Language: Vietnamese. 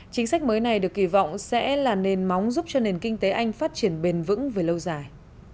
chính sách mới này được kỳ vọng sẽ là nền móng giúp cho nền kinh tế anh phát triển bền vững về lâu dài